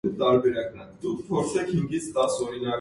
Տարածում են գտել նովելը, ռեպորտաժը, ակնարկը։